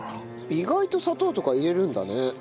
意外と砂糖とか入れるんだね。